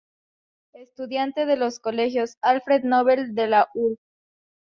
Estudiante de los Colegios Alfred Nobel de la Urb.